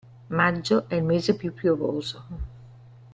Maggio è il mese più piovoso.